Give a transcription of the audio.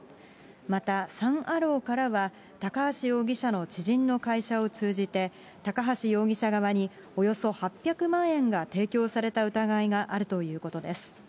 またサン・アローからは、高橋容疑者の知人の会社を通じて、高橋容疑者側におよそ８００万円が提供された疑いがあるということです。